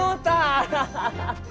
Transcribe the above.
アハハハ！